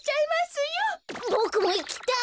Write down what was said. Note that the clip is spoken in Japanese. ボクもいきたい！